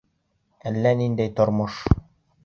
Әллә ниндәй тормош...